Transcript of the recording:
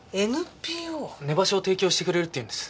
ＮＰＯ？寝場所を提供してくれるって言うんです。